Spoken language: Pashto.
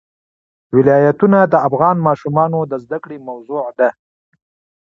ولایتونه د افغان ماشومانو د زده کړې موضوع ده.